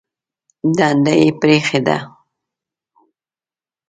دنده یې پرېښې ده.